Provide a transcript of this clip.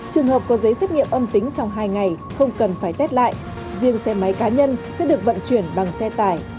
trường hợp có giấy xét nghiệm âm tính trong hai ngày không cần phải tét lại riêng xe máy cá nhân sẽ được vận chuyển bằng xe tải